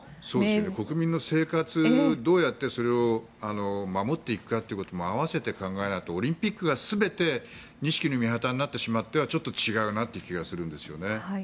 国民の生活どうやって守っていくのかも併せて考えないとオリンピックが全て錦の御旗になってしまってはちょっと違うなという気がするんです。